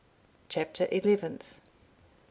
CHAPTER ELEVENTH.